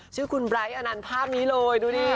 ชื่อคุณไบร์ทอันนั้นภาพนี้เลยดูนี่